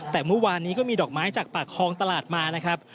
แต่เมื่อวานนี้ก็มีดอกไม้จากปากคลองตลาดมานะครับ